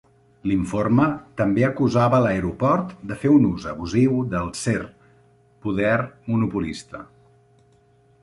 L"informe també acusava l"aeroport de fer un ús abusiu del ser poder monopolista.